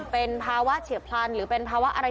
เป็นภาวะเฉียบพลันหรือเป็นภาวะอะไร